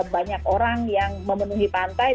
banyak orang yang memenuhi pantai